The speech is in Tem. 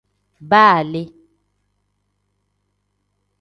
Baa le.